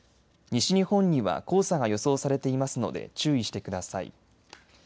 西日本には黄砂が予想されていますので注意してください。